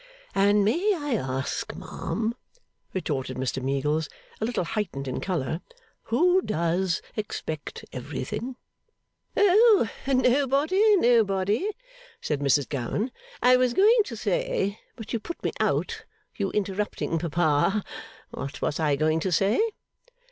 'And may I ask, ma'am,' retorted Mr Meagles, a little heightened in colour, 'who does expect everything?' 'Oh, nobody, nobody!' said Mrs Gowan. 'I was going to say but you put me out. You interrupting Papa, what was I going to say?